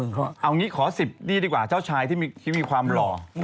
เอางี้ขอ๑๐นี่ดีกว่าเจ้าชายที่มีความหล่อ